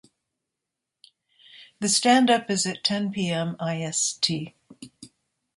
The standup is at ten P. M. I. S. T.